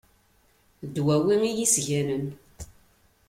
Ddwawi iyi-sganen.